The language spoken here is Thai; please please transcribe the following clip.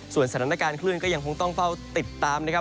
สถานการณ์คลื่นก็ยังคงต้องเฝ้าติดตามนะครับ